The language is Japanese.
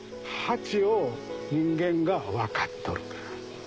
蜂を人間が分かっとる。